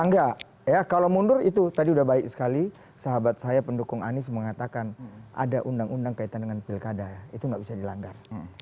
enggak ya kalau mundur itu tadi udah baik sekali sahabat saya pendukung anies mengatakan ada undang undang kaitan dengan pilkada ya itu nggak bisa dilanggar